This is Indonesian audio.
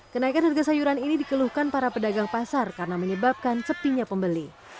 kenaikan harga sayuran ini dikeluhkan para pedagang pasar karena menyebabkan sepinya pembeli